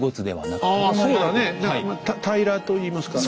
何か平らといいますか。